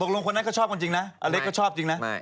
ตกลงคนนั้นเค้าชอบคนจริงอเล็กเขาชอบจริง